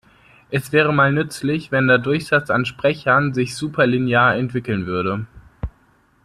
Es wäre mal nützlich, wenn der Durchsatz an Sprechern sich superlinear entwickeln würde.